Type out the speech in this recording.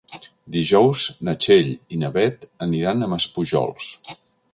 Dijous na Txell i na Beth aniran a Maspujols.